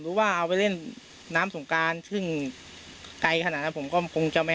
หรือว่าเอาไปเล่นน้ำสงการซึ่งไกลขนาดนั้นผมก็คงจะไม่